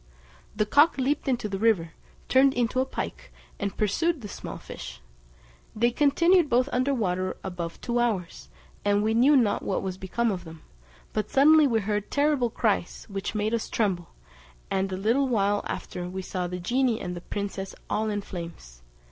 The cock leaped into the river, turned into a pike, and pursued the small fish; they continued both under water above two hours, and we knew not what was become of them, but suddenly we heard terrible cries, which made us tremble, and a little while after we saw the genie and princess all in flames.